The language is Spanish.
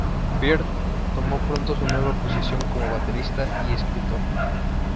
Peart tomó pronto su nueva posición como baterista y escritor.